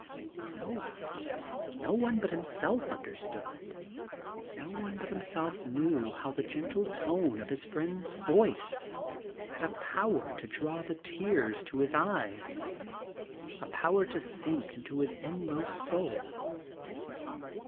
Ah, no one, no one but himself imderstood, no one but himself knew how the gentle tone of his friend's 38 THE GARDEN GOD voice had a power to draw the tears to his eyes, a power to sink into his inmost soul.